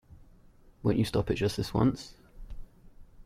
Won't you stop it just this once?